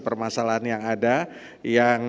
permasalahan yang ada yang